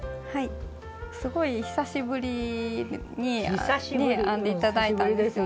すごい久しぶりにね編んで頂いたんですよね。